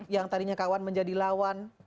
yang tadinya kawan menjadi lawan